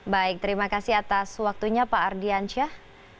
baik terima kasih atas waktunya pak ardian syah